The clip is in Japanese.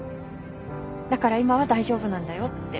だから今は大丈夫なんだよって。